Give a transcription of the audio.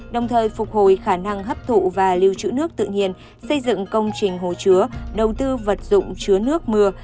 đồng thời phục hồi khả năng hấp thụ và lưu trữ nước tự nhiên xây dựng công trình hồ chứa đầu tư vật dụng chứa nước mưa